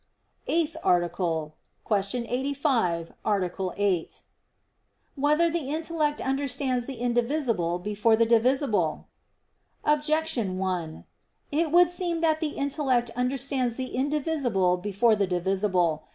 _______________________ EIGHTH ARTICLE [I, Q. 85, Art. 8] Whether the Intellect Understands the Indivisible Before the Divisible? Objection 1: It would seem that the intellect understands the indivisible before the divisible.